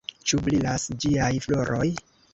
Ĉu brilas ĝiaj floroj?